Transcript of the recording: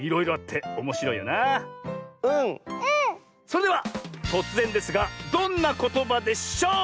それではとつぜんですが「どんなことばでしょう？」。